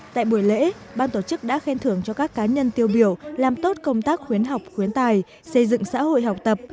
tại buổi lễ ban tổ chức đã khen thưởng cho các cá nhân tiêu biểu làm tốt công tác khuyến học khuyến tài xây dựng xã hội học tập